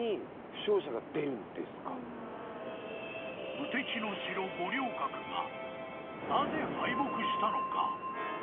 ［無敵の城五稜郭がなぜ敗北したのか］